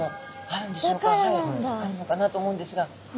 あるのかなと思うんですが。